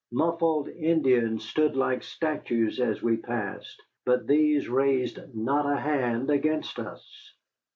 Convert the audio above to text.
Muffled Indians stood like statues as we passed, but these raised not a hand against us.